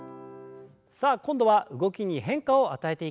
さあ今度は動きに変化を与えていきましょう。